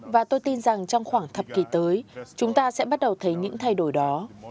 và tôi tin rằng trong khoảng thập kỷ tới chúng ta sẽ bắt đầu thấy những thay đổi đó